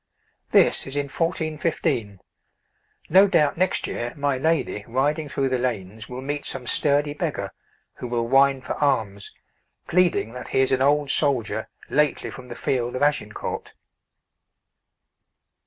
This is in 1415. No doubt next year my lady, riding through the lanes, will meet some sturdy beggar, who will whine for alms, pleading that he is an old soldier lately from the field of Agincourt.